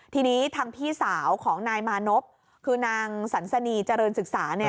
ทีนี้ทางพี่สาวของนายมานพคือนางสันสนีเจริญศึกษาเนี่ย